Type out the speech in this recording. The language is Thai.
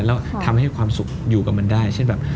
แล้วทำให้ความสุขอยู่กับมันได้เช่นแบบ